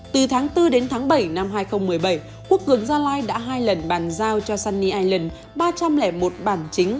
từ tháng bốn đến tháng bảy năm hai nghìn một mươi bảy quốc cường gia lai đã hai lần bàn giao cho sunny ireland ba trăm linh một bản chính